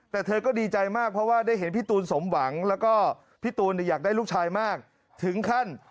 แต่เธอก็ดีใจมากเพราะว่าได้เห็นพี่ตูนสมหวังแล้วก็พี่ตูนอยากได้ลูกชายมากถึงขั้น